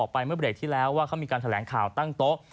อย่างเค้าเรียกที่แล้วว่าเค้ามีการแถลงข่าวตั้งโต๊ะ